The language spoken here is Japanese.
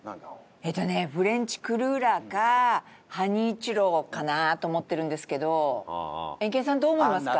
えっとねフレンチクルーラーかハニーチュロかな？と思ってるんですけどエンケンさんどう思いますか？